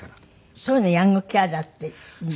そういうのヤングケアラーって。